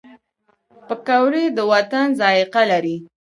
پکورې د وطن ذایقه لري